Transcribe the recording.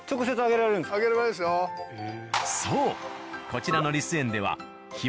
そうこちらのリス園ではあ